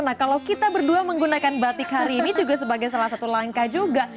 nah kalau kita berdua menggunakan batik hari ini juga sebagai salah satu langkah juga